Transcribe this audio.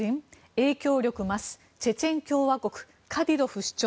影響力増すチェチェン共和国カディロフ首長。